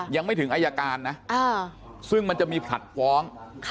ยังไม่ถึงอายการนะซึ่งมันจะมีผลัดฟ้อง